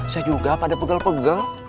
saya juga pada pegal pegal